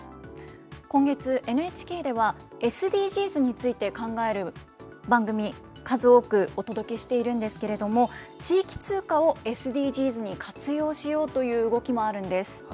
今月、ＮＨＫではＳＤＧｓについて考える番組、数多くお届けしているんですけれども、地域通貨をＳＤＧｓに活用しようという動きもあるんです。